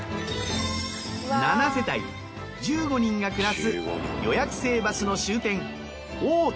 ７世帯１５人が暮らす予約制バスの終点大立。